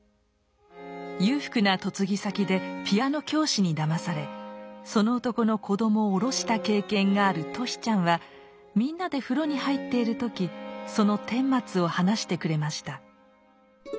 裕福な嫁ぎ先でピアノ教師にだまされその男の子どもをおろした経験がある俊ちゃんはみんなで風呂に入っている時その顛末を話してくれました。